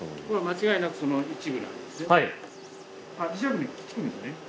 これは間違いなくその一部なんですね？